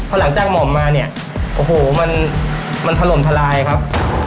พอหลังจากหม่อมมาเนี่ยโอ้โหมันถล่มทลายครับ